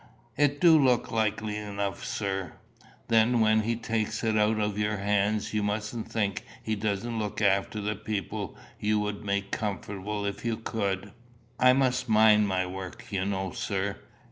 "It du look likely enough, sir." "Then when he takes it out of your hands, you mustn't think he doesn't look after the people you would make comfortable if you could." "I must mind my work, you know, sir."